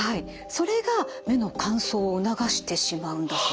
それが目の乾燥を促してしまうんだそうです。